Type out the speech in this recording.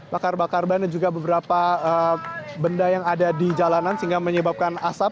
bakar bakar ban dan juga beberapa benda yang ada di jalanan sehingga menyebabkan asap